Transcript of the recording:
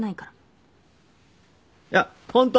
いやホント